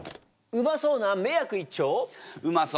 うまそうな迷惑一丁！